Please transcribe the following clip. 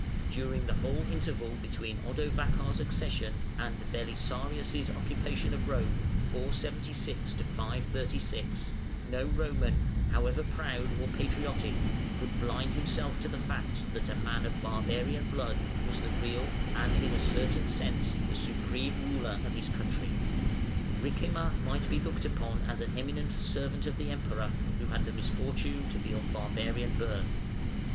During the whole interval between Odovacar's accession and Belisarius' occupation of Rome (476 536), no Roman, however proud or patriotic, could blind himself to the fact that a man of barbarian blood was the real, and in a certain sense the supreme, ruler of his country. Ricimer might be looked upon as an eminent servant of the Emperor who had the misfortune to be of barbarian birth.